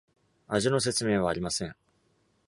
味の説明はありません。